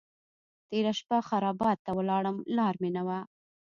تېره شپه خرابات ته ولاړم لار مې نه وه.